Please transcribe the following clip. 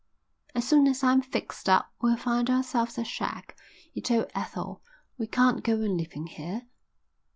"As soon as I'm fixed up we'll find ourselves a shack," he told Ethel. "We can't go on living here."